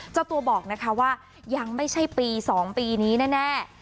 เจ้าตัวบอกนะคะว่ายังไม่ใช่ปี๒ปีนี้แน่